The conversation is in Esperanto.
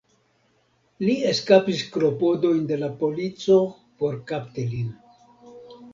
Li eskapis klopodojn de la polico por kapti lin.